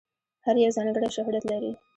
هر یو ځانګړی شهرت لري.